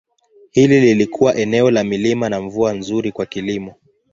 Hili lilikuwa eneo la milima na mvua nzuri kwa kilimo.